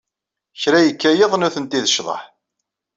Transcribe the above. Kra yekka yiḍ nutenti d ccḍeḥ.